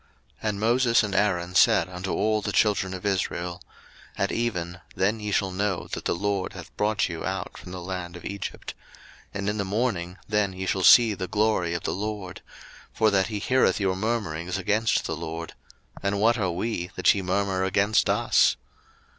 02:016:006 And Moses and Aaron said unto all the children of Israel, At even, then ye shall know that the LORD hath brought you out from the land of Egypt: 02:016:007 And in the morning, then ye shall see the glory of the LORD; for that he heareth your murmurings against the LORD: and what are we, that ye murmur against us?